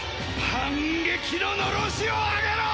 反撃ののろしを上げろ！